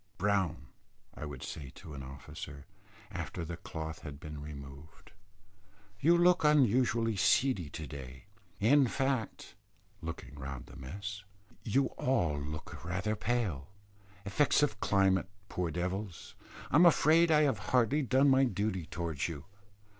"Brown," I would say to an officer, after the cloth had been removed, "you look unusually seedy to day; in fact," looking round the mess, "you all look rather pale; effects of climate, poor devils. I am afraid I have hardly done my duty towards you.